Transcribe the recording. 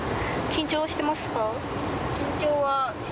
緊張はしてます。